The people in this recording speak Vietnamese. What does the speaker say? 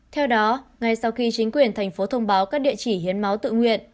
theo đó ngay sau khi chính quyền thành phố thông báo các địa chỉ hiến máu tự nguyện